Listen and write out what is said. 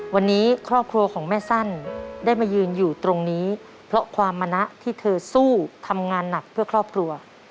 วันนี้ครอบครัวของแม่สั้นได้มายืนอยู่ตรงนี้เพราะความมณะที่เธอสู้ทำงานหนักเพื่อครอบครัว